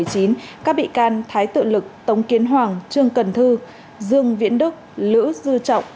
các bị can thái tự lực tống kiến hoàng trương cần thư dương viễn đức lữ dư trọng